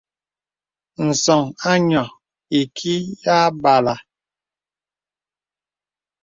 Ǹsɔ̄ŋ à nyɔ̄ɔ̄ ìkì yà bàlə.